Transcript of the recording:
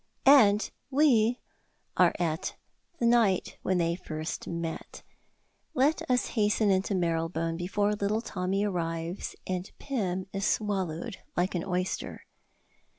And we are at the night when they first met! Let us hasten into Marylebone before little Tommy arrives and Pym is swallowed like an oyster.